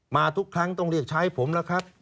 มาทุกครั้งต้องเรียกชายผมล่ะครับ